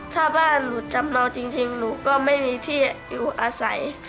ถ้าบ้านหนูจำนองจริงหนูก็ไม่มีที่อยู่อาศัย